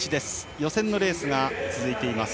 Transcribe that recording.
予選のレースが続いています。